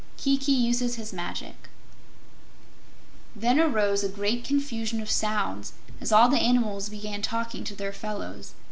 Kiki Uses His Magic Then arose a great confusion of sounds as all the animals began talking to their fellows.